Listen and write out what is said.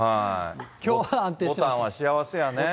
ぼたんは幸せやね。